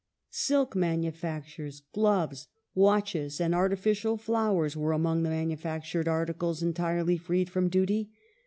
Silk manufactures, gloves, watches, and artificial flowers were among the manufactured articles entirely freed from duty.